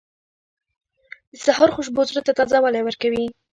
• د سهار خوشبو زړه ته تازهوالی ورکوي.